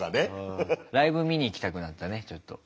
ライブ見に行きたくなったねちょっと。